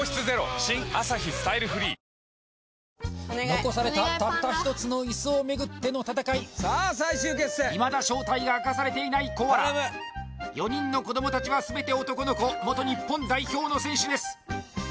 残されたたった１つのイスを巡っての戦いさあ最終決戦いまだ正体が明かされていないコアラ４人の子どもたちは全て男の子元日本代表の選手です